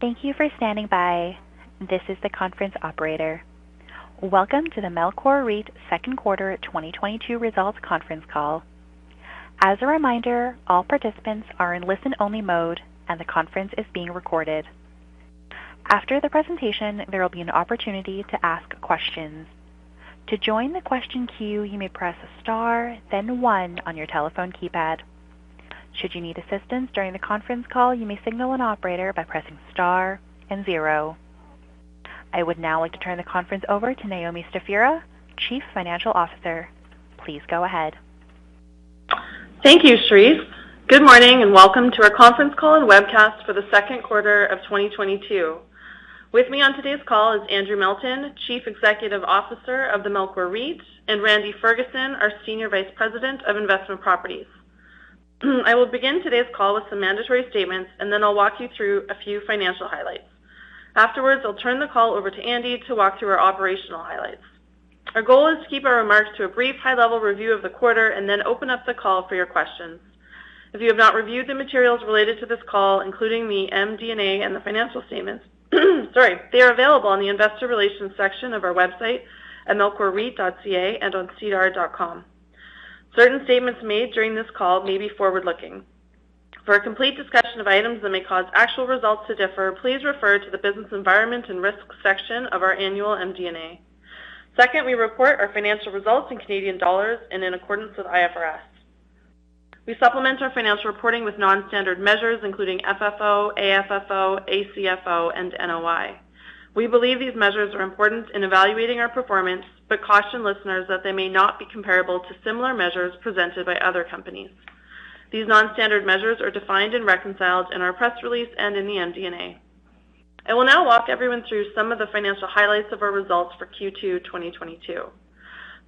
Thank you for standing by. This is the conference operator. Welcome to the Melcor REIT second quarter 2022 results conference call. As a reminder, all participants are in listen-only mode and the conference is being recorded. After the presentation, there will be an opportunity to ask questions. To join the question queue, you may press star then one on your telephone keypad. Should you need assistance during the conference call, you may signal an operator by pressing star and zero. I would now like to turn the conference over to Naomi Stefura, Chief Financial Officer. Please go ahead. Thank you, Cherise. Good morning and welcome to our conference call and webcast for the second quarter of 2022. With me on today's call is Andrew Melton, Chief Executive Officer of the Melcor REIT, and Randy Ferguson, our Senior Vice President of Investment Properties. I will begin today's call with some mandatory statements, and then I'll walk you through a few financial highlights. Afterwards, I'll turn the call over to Andy to walk through our operational highlights. Our goal is to keep our remarks to a brief high-level review of the quarter and then open up the call for your questions. If you have not reviewed the materials related to this call, including the MD&A and the financial statements, sorry, they are available on the investor relations section of our website at melcorreit.ca and on sedar.com. Certain statements made during this call may be forward-looking. For a complete discussion of items that may cause actual results to differ, please refer to the business environment and risk section of our annual MD&A. Second, we report our financial results in Canadian dollars and in accordance with IFRS. We supplement our financial reporting with non-standard measures, including FFO, AFFO, ACFO, and NOI. We believe these measures are important in evaluating our performance, but caution listeners that they may not be comparable to similar measures presented by other companies. These non-standard measures are defined and reconciled in our press release and in the MD&A. I will now walk everyone through some of the financial highlights of our results for Q2 2022.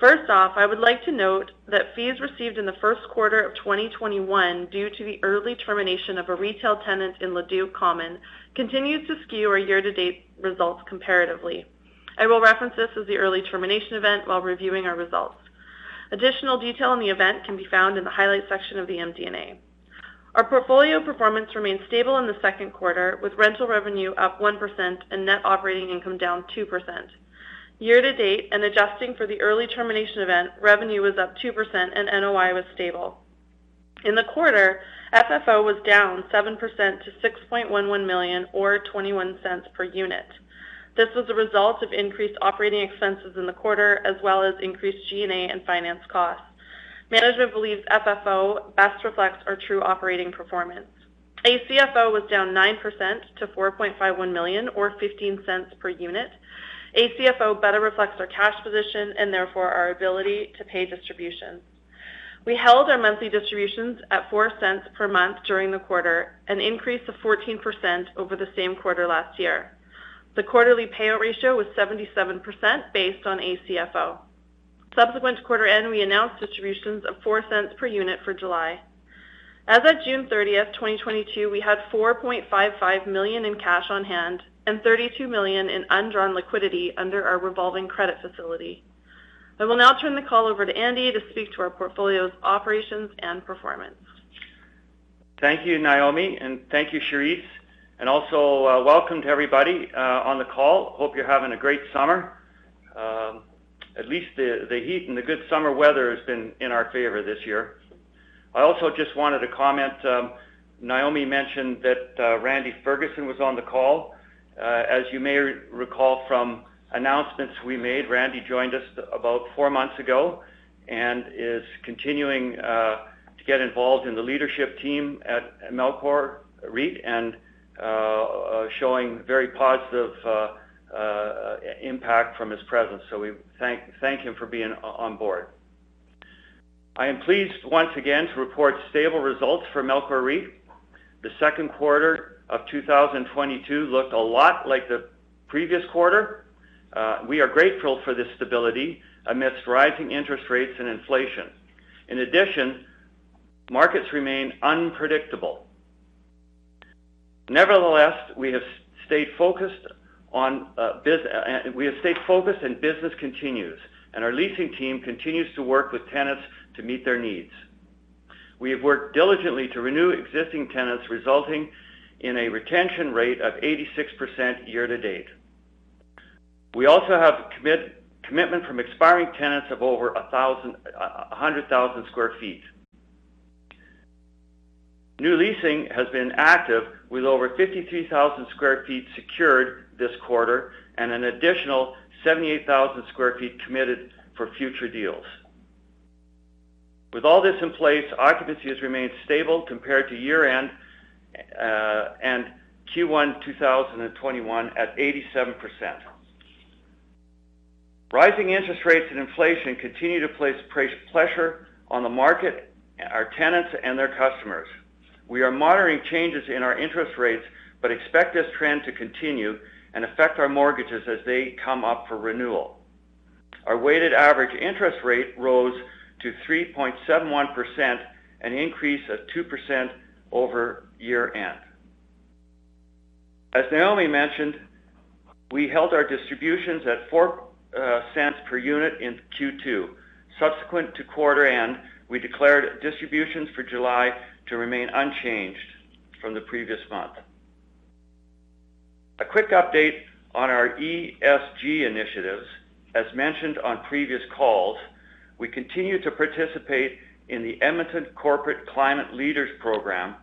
First off, I would like to note that fees received in the first quarter of 2021 due to the early termination of a retail tenant in Leduc Common continues to skew our year-to-date results comparatively. I will reference this as the early termination event while reviewing our results. Additional detail on the event can be found in the highlight section of the MD&A. Our portfolio performance remained stable in the second quarter, with rental revenue up 1% and net operating income down 2%. Year-to-date and adjusting for the early termination event, revenue was up 2% and NOI was stable. In the quarter, FFO was down 7% to 6.11 million or 0.21 per unit. This was a result of increased operating expenses in the quarter, as well as increased G&A and finance costs. Management believes FFO best reflects our true operating performance. ACFO was down 9% to 4.51 million or 0.15 per unit. ACFO better reflects our cash position and therefore our ability to pay distributions. We held our monthly distributions at 0.04 per month during the quarter, an increase of 14% over the same quarter last year. The quarterly payout ratio was 77% based on ACFO. Subsequent to quarter end, we announced distributions of 0.04 per unit for July. As of June 30th, 2022, we had 4.55 million in cash on hand and 32 million in undrawn liquidity under our revolving credit facility. I will now turn the call over to Andy to speak to our portfolio's operations and performance. Thank you, Naomi, and thank you, Cherise. Welcome to everybody on the call. Hope you're having a great summer. At least the heat and the good summer weather has been in our favor this year. I also just wanted to comment. Naomi mentioned that Randy Ferguson was on the call. As you may recall from announcements we made, Randy joined us about four months ago and is continuing to get involved in the leadership team at Melcor REIT and showing very positive impact from his presence. We thank him for being on board. I am pleased once again to report stable results for Melcor REIT. The second quarter of 2022 looked a lot like the previous quarter. We are grateful for this stability amidst rising interest rates and inflation. In addition, markets remain unpredictable. Nevertheless, we have stayed focused and business continues, and our leasing team continues to work with tenants to meet their needs. We have worked diligently to renew existing tenants, resulting in a retention rate of 86% year-to-date. We also have commitment from expiring tenants of over 1,100,000 sq ft. New leasing has been active with over 53,000 sq ft secured this quarter and an additional 78,000 sq ft committed for future deals. With all this in place, occupancy has remained stable compared to year-end and Q1 2021 at 87%. Rising interest rates and inflation continue to place pressure on the market, our tenants, and their customers. We are monitoring changes in our interest rates, but expect this trend to continue and affect our mortgages as they come up for renewal. Our weighted average interest rate rose to 3.71%, an increase of 2% over year-end. As Naomi mentioned, we held our distributions at 0.04 per unit in Q2. Subsequent to quarter end, we declared distributions for July to remain unchanged from the previous month. A quick update on our ESG initiatives. As mentioned on previous calls, we continue to participate in the Edmonton Corporate Climate Leaders Program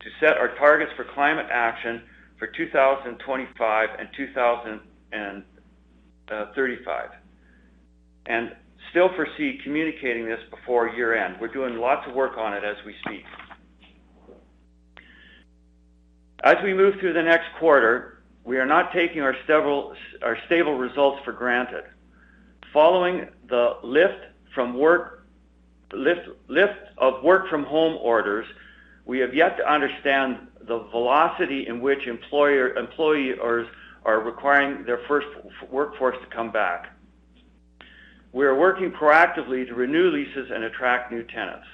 to set our targets for climate action for 2025 and 2035, and still foresee communicating this before year-end. We're doing lots of work on it as we speak. As we move through the next quarter, we are not taking our stable results for granted. Following the lifting of work from home orders, we have yet to understand the velocity in which employers are requiring their full workforce to come back. We are working proactively to renew leases and attract new tenants.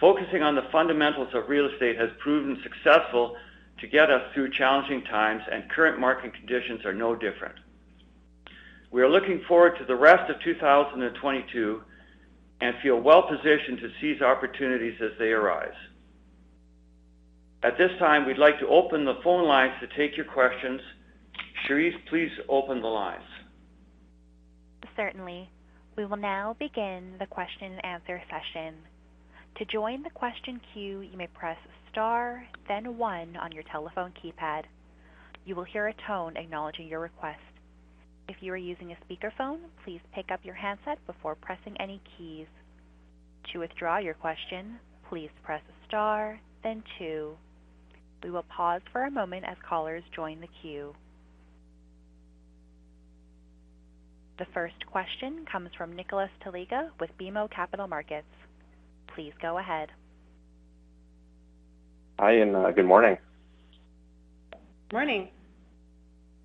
Focusing on the fundamentals of real estate has proven successful to get us through challenging times, and current market conditions are no different. We are looking forward to the rest of 2022 and feel well positioned to seize opportunities as they arise. At this time, we'd like to open the phone lines to take your questions. Cherise, please open the lines. Certainly. We will now begin the question and answer session. To join the question queue, you may press star then one on your telephone keypad. You will hear a tone acknowledging your request. If you are using a speakerphone, please pick up your handset before pressing any keys. To withdraw your question, please press star then two. We will pause for a moment as callers join the queue. The first question comes from Nicholas Taliga with BMO Capital Markets. Please go ahead. Hi, good morning. Morning.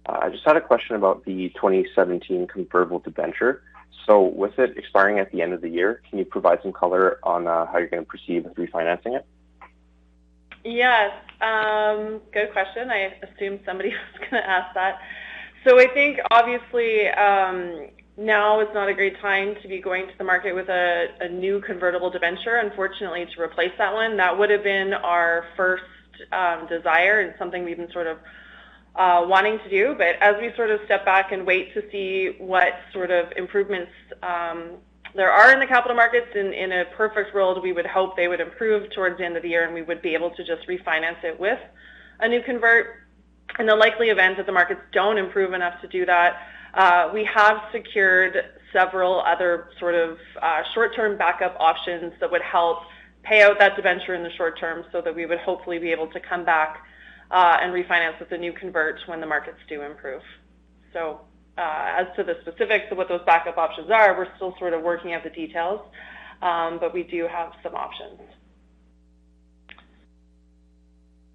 I just had a question about the 2017 convertible debenture. With it expiring at the end of the year, can you provide some color on how you're going to proceed with refinancing it? Yes, good question. I assumed somebody was gonna ask that. I think obviously, now is not a great time to be going to the market with a new convertible debenture, unfortunately, to replace that one. That would have been our first desire and something we've been sort of wanting to do. As we sort of step back and wait to see what sort of improvements there are in the capital markets, in a perfect world, we would hope they would improve towards the end of the year, and we would be able to just refinance it with a new convert. In the likely event that the markets don't improve enough to do that, we have secured several other sort of, short-term backup options that would help pay out that debenture in the short term so that we would hopefully be able to come back, and refinance with a new convertible when the markets do improve. As to the specifics of what those backup options are, we're still sort of working out the details, but we do have some options.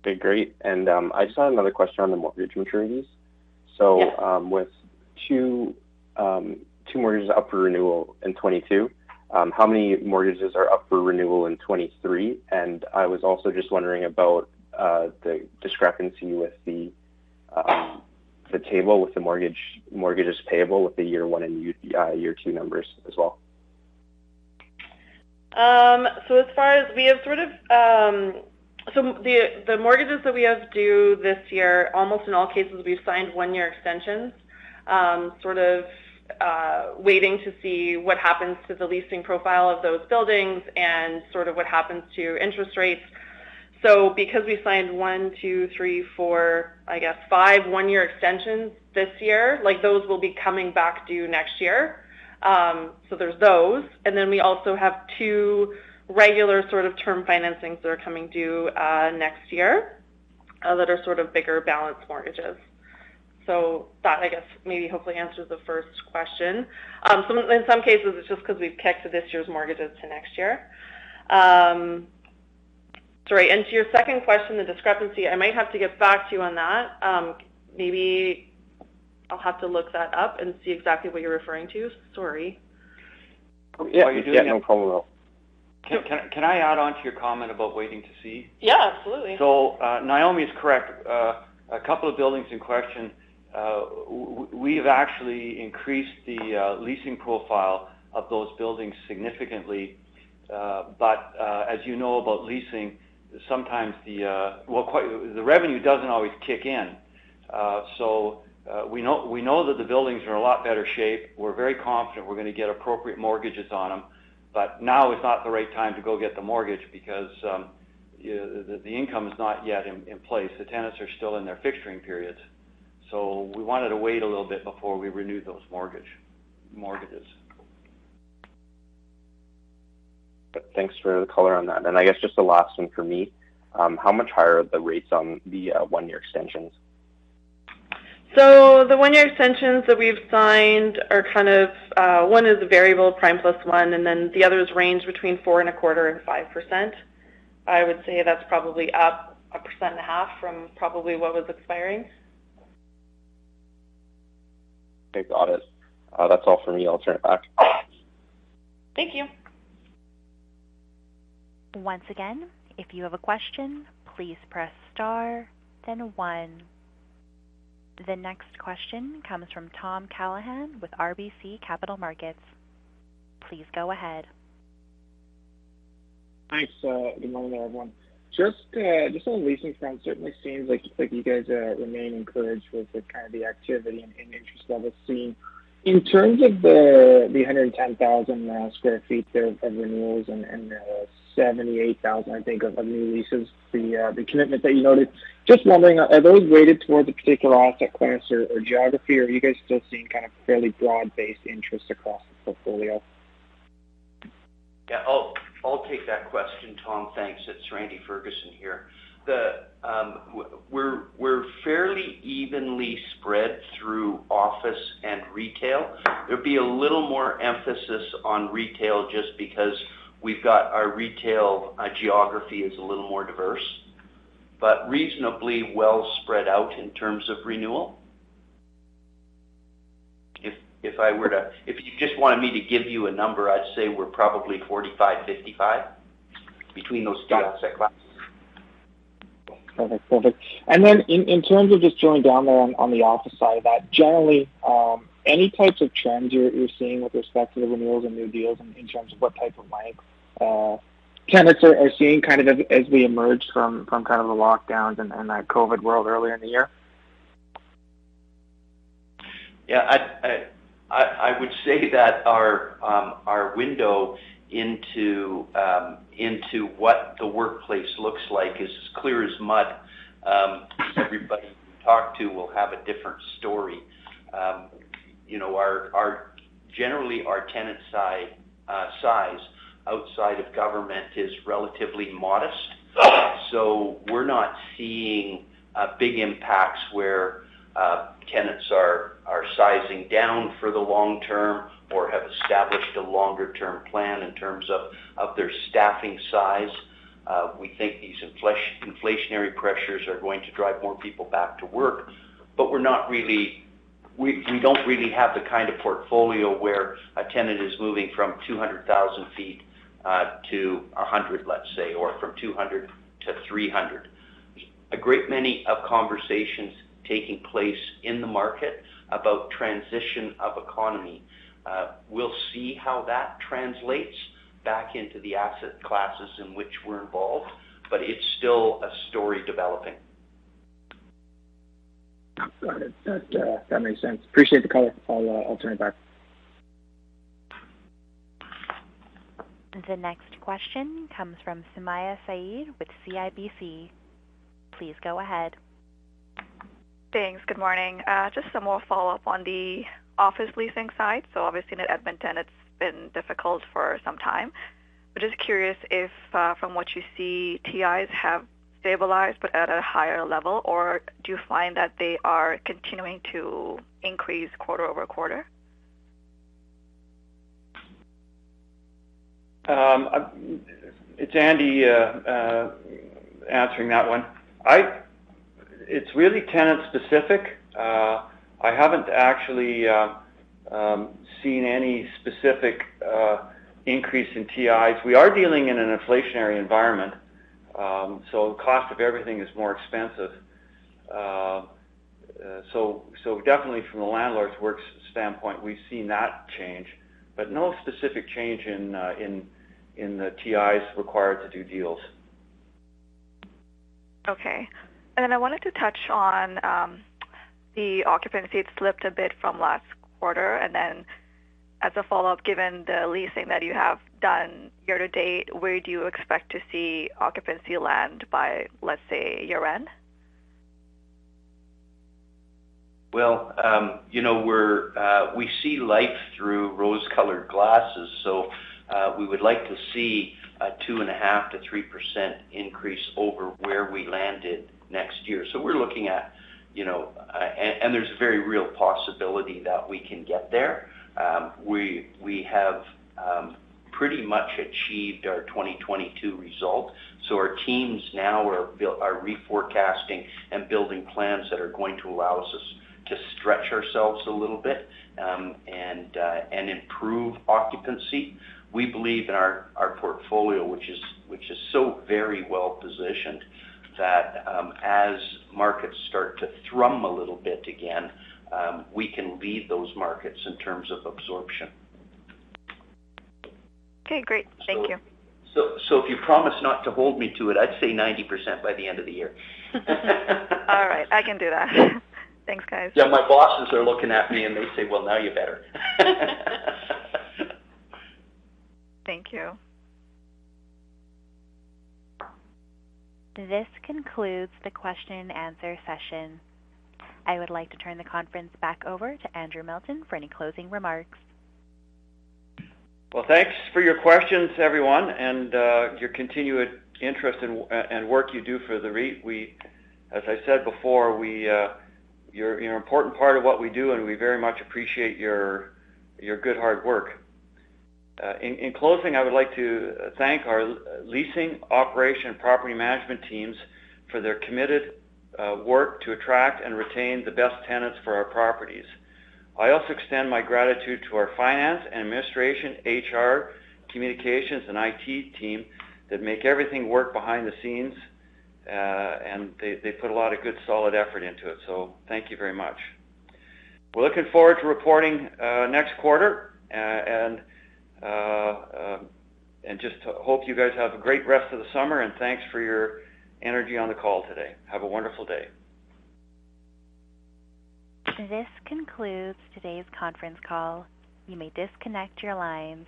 Okay, great. I just had another question on the mortgage maturities. Yes. With two mortgages up for renewal in 2022, how many mortgages are up for renewal in 2023? I was also just wondering about the discrepancy with the table with the mortgages payable with the year one and year two numbers as well. As far as we have sort of, the mortgages that we have due this year, almost in all cases, we've signed 1-year extensions, sort of, waiting to see what happens to the leasing profile of those buildings and sort of what happens to interest rates. Because we signed one, two, three, four, I guess five, one-year extensions this year, like, those will be coming back due next year. There's those. Then we also have two regular sort of term financings that are coming due, next year, that are sort of bigger balance mortgages. That, I guess, maybe hopefully answers the first question. In some cases, it's just because we've kicked this year's mortgages to next year. Sorry. To your second question, the discrepancy, I might have to get back to you on that. Maybe I'll have to look that up and see exactly what you're referring to. Sorry. Yeah. Yeah, no problem at all. Can I add on to your comment about waiting to see? Yeah, absolutely. Naomi's correct. A couple of buildings in question, we've actually increased the leasing profile of those buildings significantly. As you know about leasing, sometimes the revenue doesn't always kick in. We know that the buildings are in a lot better shape. We're very confident we're going to get appropriate mortgages on them. Now is not the right time to go get the mortgage because the income is not yet in place. The tenants are still in their fixturing periods. We wanted to wait a little bit before we renew those mortgages. Thanks for the color on that. I guess just the last one for me, how much higher are the rates on the one-year extensions? The one-year extensions that we've signed are kind of, one is a variable prime +1%, and then the others range between 4.25% and 5%. I would say that's probably up 1.5% from probably what was expiring. Okay, got it. That's all for me. I'll turn it back. Thank you. Once again, if you have a question, please press star, then one. The next question comes from Matt McKellar with RBC Capital Markets. Please go ahead. Thanks. Good morning, everyone. Just on the leasing front, certainly seems like you guys remain encouraged with the kind of the activity and interest levels seen. In terms of the 110,000 sq ft of renewals and 78,000, I think, of new leases, the commitment that you noted. Just wondering, are those weighted towards a particular asset class or geography? Are you guys still seeing kind of fairly broad-based interest across the portfolio? Yeah. I'll take that question, Tom. Thanks. It's Randy Ferguson here. We're fairly evenly spread through office and retail. There'd be a little more emphasis on retail just because we've got our retail geography is a little more diverse, but reasonably well spread out in terms of renewal. If you just wanted me to give you a number, I'd say we're probably 45-55 between those two asset classes. Perfect. Perfect. In terms of just drilling down there on the office side of that, generally, any types of trends you're seeing with respect to the renewals and new deals in terms of what type of mix tenants are seeing kind of as we emerge from kind of the lockdowns and that COVID world earlier in the year? Yeah. I would say that our window into what the workplace looks like is as clear as mud. Everybody you talk to will have a different story. You know, our generally, our tenant size outside of government is relatively modest. We're not seeing big impacts where tenants are sizing down for the long term or have established a longer-term plan in terms of their staffing size. We think these inflationary pressures are going to drive more people back to work, but we're not really. We don't really have the kind of portfolio where a tenant is moving from 200,000 sq ft-100,000 sq ft, let's say, or from 200,000 sq ft-300,000 sq ft. A great many of conversations taking place in the market about transition of economy. We'll see how that translates back into the asset classes in which we're involved, but it's still a story developing. Got it. That makes sense. Appreciate the color. I'll turn it back. The next question comes from Sumayya Syed with CIBC. Please go ahead. Thanks. Good morning. Just some more follow-up on the office leasing side. Obviously in Edmonton, it's been difficult for some time. Just curious if, from what you see, TIs have stabilized but at a higher level, or do you find that they are continuing to increase quarter over quarter? It's Andy answering that one. It's really tenant-specific. I haven't actually seen any specific increase in TIs. We are dealing in an inflationary environment, so cost of everything is more expensive. Definitely from a landlord's works standpoint, we've seen that change, but no specific change in the TIs required to do deals. Okay. I wanted to touch on the occupancy. It slipped a bit from last quarter. As a follow-up, given the leasing that you have done year to date, where do you expect to see occupancy land by, let's say, year-end? Well, you know, we see life through rose-colored glasses, so we would like to see a 2.5%-3% increase over where we landed next year. We're looking at, you know, and there's a very real possibility that we can get there. We have pretty much achieved our 2022 result. Our teams now are reforecasting and building plans that are going to allow us to stretch ourselves a little bit, and improve occupancy. We believe in our portfolio, which is so very well-positioned that, as markets start to thrum a little bit again, we can lead those markets in terms of absorption. Okay, great. Thank you. If you promise not to hold me to it, I'd say 90% by the end of the year. All right. I can do that. Thanks, guys. Yeah, my bosses are looking at me, and they say, "Well, now you better. Thank you. This concludes the question and answer session. I would like to turn the conference back over to Andrew Melton for any closing remarks. Well, thanks for your questions, everyone, and your continued interest and work you do for the REIT. As I said before, you're an important part of what we do, and we very much appreciate your good hard work. In closing, I would like to thank our leasing, operations, property management teams for their committed work to attract and retain the best tenants for our properties. I also extend my gratitude to our finance and administration, Human Resource, communications, and IT teams that make everything work behind the scenes. They put a lot of good solid effort into it. Thank you very much. We're looking forward to reporting next quarter, and I just hope you guys have a great rest of the summer, and thanks for your energy on the call today. Have a wonderful day. This concludes today's conference call. You may disconnect your lines.